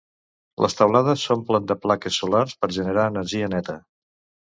Les teulades s'omplen de plaques solars per generar energia neta.